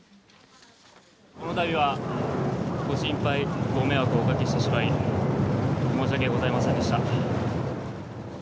このたびは、ご心配、ご迷惑をおかけしてしまい、申し訳ございませんでした。